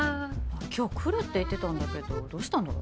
今日来るって言ってたんだけどどうしたんだろ？